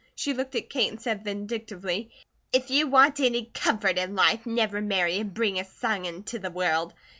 She looked at Kate and said vindictively: "If you want any comfort in life, never marry and bring a son inter the world.